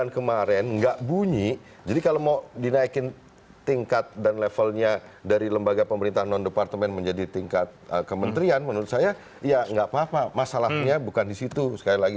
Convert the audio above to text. pas pa zitis delapan bulan kemarin enggak bunyi jadi kalau mau dinaikin tingkat dan levelnya dari lembaga pemerintahan non departemen menjadi tingkat kementerian menurut saya ya nggak papa masalahnya bukan disitu sekali lagi